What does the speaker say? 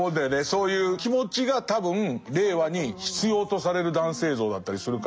そういう気持ちが多分令和に必要とされる男性像だったりするから。